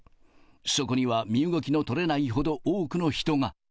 そこには身動きの取れないほど多くの人が。